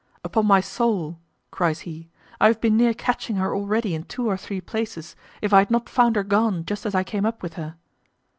"Upon my shoul," cries he, "I have been near catching her already in two or three places, if I had not found her gone just as I came up with her.